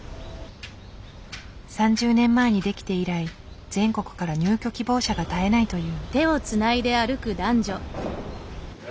３０年前に出来て以来全国から入居希望者が絶えないという。